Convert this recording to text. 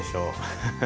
ハハハハ。